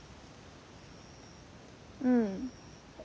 うん。